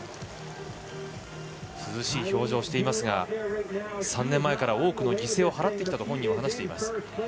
涼しい表情をしていますが３年前から多くの犠牲を払ってきたと本人は話しています。